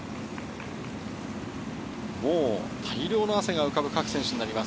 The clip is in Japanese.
もう大量の汗が浮かぶ各選手。